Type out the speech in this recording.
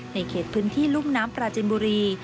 เขตพื้นที่รุ่มน้ำปราจินบุรี